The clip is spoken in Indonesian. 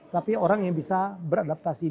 tapi orang yang bisa beradaptasi